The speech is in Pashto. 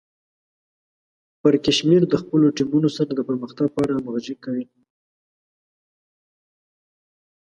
پړکمشر د خپلو ټیمونو سره د پرمختګ په اړه همغږي کوي.